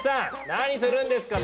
何するんですか！